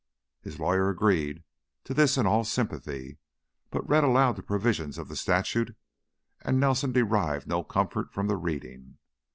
His lawyer agreed to this in all sympathy, but read aloud the provisions of the statute, and Nelson derived no comfort from the reading.